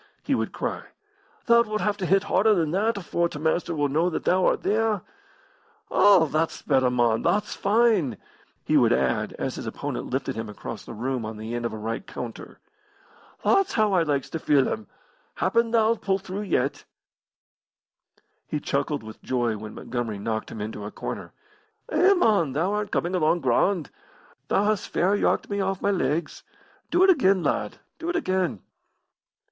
he would cry. "Thou wilt have to hit harder than that afore t' Master will know that thou art theer. All, thot's better, mon, thot's fine!" he would add, as his opponent lifted him across the room on the end of a right counter. "Thot's how I likes to feel 'em. Happen thou'lt pull through yet." He chuckled with joy when Montgomery knocked him into a corner. "Eh, mon, thou art coming along grand. Thou hast fair yarked me off my legs. Do it again, lad, do it again!"